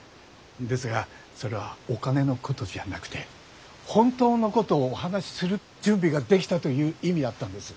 ですがそれはお金のことじゃなくて本当のことをお話しする準備ができたという意味だったんです。